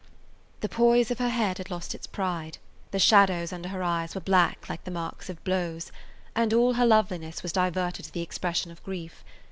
The poise of her head had lost its pride, the shadows under her eyes were black like the marks of blows, and all her loveliness was diverted to the expression of grief.